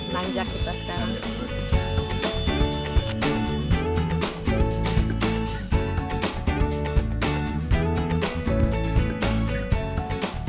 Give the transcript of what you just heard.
lanjak kita sekarang